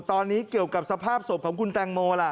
ตอนนี้เกี่ยวกับสภาพศพของคุณแตงโมล่ะ